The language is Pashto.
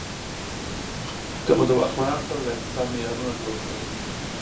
که مو د واکمنانو سره د احتساب معیارونه جوړ کړل